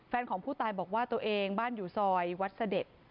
ของผู้ตายบอกว่าตัวเองบ้านอยู่ซอยวัดเสด็จ